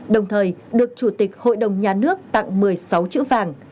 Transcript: đồng thời được chủ tịch hội đồng nhà nước tặng một mươi sáu chữ vàng